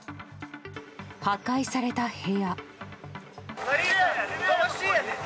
破壊された部屋。